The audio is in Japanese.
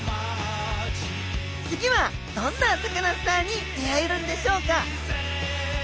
次はどんなサカナスターに出会えるんでしょうか？